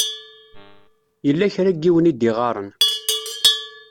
Yella kra n yiwen i d-iɣaṛen.